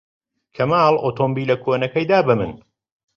کەمال ئۆتۆمبێلە کۆنەکەی دا بە من.